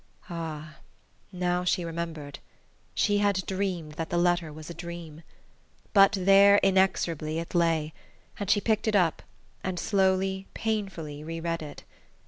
Ah, now she remembered she had dreamed that the letter was a dream! But there, inexorably, it lay; and she picked it up, and slowly, painfully re read it.